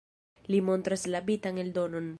Li montras la bitan eldonon.